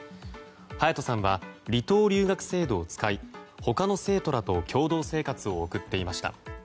隼都さんは離島留学制度を使い他の生徒らと共同生活を送っていました。